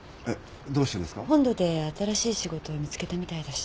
本土で新しい仕事を見つけたみたいだし。